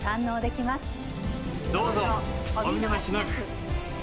「どうぞお見逃しなく」